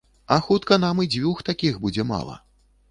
А хутка нам і дзвюх такіх будзе мала.